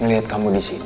ngelihat kamu disini